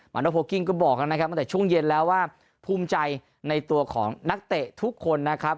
โนโพลกิ้งก็บอกแล้วนะครับตั้งแต่ช่วงเย็นแล้วว่าภูมิใจในตัวของนักเตะทุกคนนะครับ